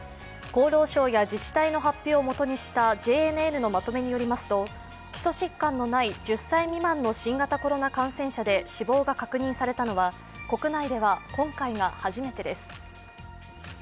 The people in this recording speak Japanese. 厚労省や自治体の発表をもとにしたＪＮＮのまとめによりますと基礎疾患のない１０歳未満の新型コロナに感染して死亡が確認されたのは国内では今回が初めてです。